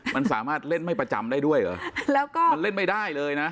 มันสามารถเล่นไม่ประจำได้ด้วยเหรอแล้วก็มันเล่นไม่ได้เลยนะ